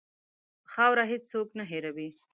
خاوره هېڅ څوک نه هېروي.